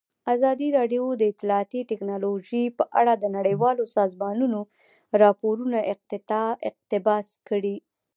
ازادي راډیو د اطلاعاتی تکنالوژي په اړه د نړیوالو سازمانونو راپورونه اقتباس کړي.